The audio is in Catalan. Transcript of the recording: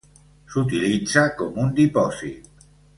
S'utilitza com un dipòsit.